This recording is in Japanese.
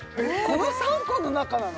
この３個の中なの？